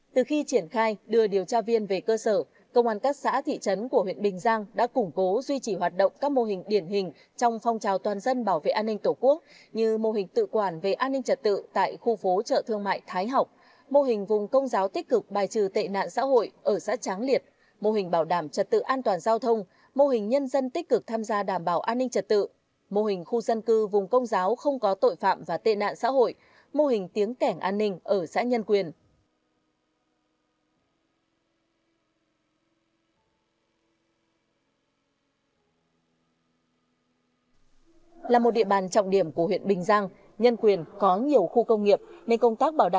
từ khi triển khai đưa điều tra viên về cơ sở công an các xã thị trấn của huyện bình giang đã củng cố duy trì hoạt động các mô hình điển hình trong phong trào toàn dân bảo vệ an ninh tổ quốc như mô hình tự quản về an ninh trả tự tại khu phố chợ thương mại thái học mô hình vùng công giáo tích cực bài trừ tệ nạn xã hội ở xã tráng liệt mô hình bảo đảm trả tự an toàn giao thông mô hình nhân dân tích cực tham gia đảm bảo an ninh trả tự mô hình khu dân cư vùng công giáo không có tội phạm và tệ n